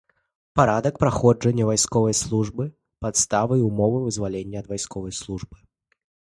Парадак праходжання вайсковай службы, падставы і ўмовы вызвалення ад вайсковай службы.